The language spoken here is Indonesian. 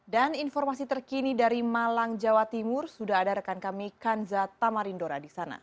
dan informasi terkini dari malang jawa timur sudah ada rekan kami kanza tamarindora di sana